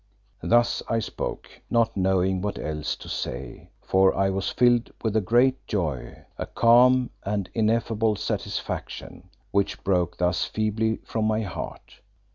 Thus I spoke, not knowing what else to say, for I was filled with a great joy, a calm and ineffable satisfaction, which broke thus feebly from my heart.